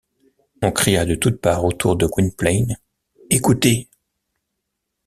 On cria de toutes parts autour de Gwynplaine: — Écoutez!